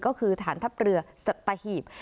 ก็คือฐานทัพเรือสัตหีบ